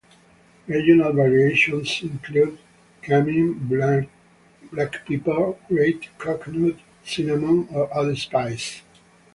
Regional variations include cumin, black pepper, grated coconut, cinnamon, or other spices.